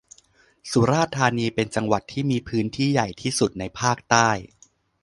สุราษฏร์ธานีเป็นจังหวัดที่มีพื้นที่ใหญ่ที่สุดในภาคใต้